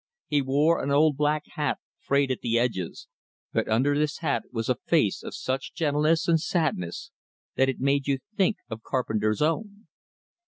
He wore an old black hat, frayed at the edges; but under this hat was a face of such gentleness and sadness that it made you think of Carpenter's own.